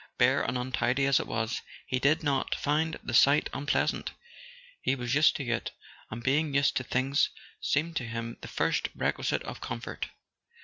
Bare and untidy as it was, he did not find the sight unpleasant: he was used to it, and being used to things seemed to him the first requisite of comfort.